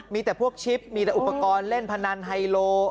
มีแต่พวกชิปมีแต่อุปกรณ์เล่นพนันไฮโล